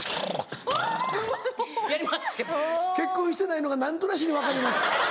結婚してないのが何となしに分かります。